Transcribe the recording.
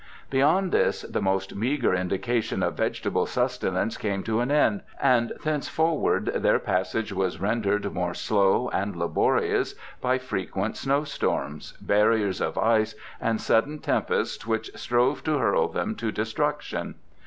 Beyond this the most meagre indication of vegetable sustenance came to an end, and thenceforward their passage was rendered more slow and laborious by frequent snow storms, barriers of ice, and sudden tempests which strove to hurl them to destruction.